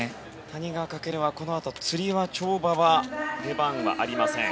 谷川翔はこのあとつり輪、跳馬は出番はありません。